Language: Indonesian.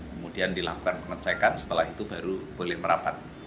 kemudian dilakukan pengecekan setelah itu baru boleh merapat